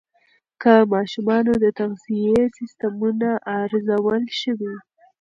د ماشومانو د تغذیې سیستمونه ارزول شوي.